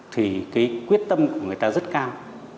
thì cái quyết tâm của người ta rất cao